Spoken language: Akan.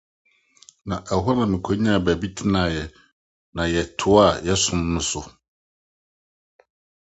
Ɛhɔ na mikonyaa adwuma ne baabi trae, na yɛtoaa yɛn som adwuma no so.